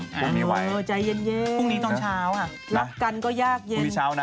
คู่นี้ตอนเช้ารักจงก็ยากเย็น